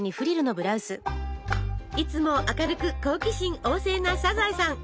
いつも明るく好奇心旺盛なサザエさん！